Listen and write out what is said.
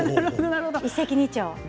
一石二鳥。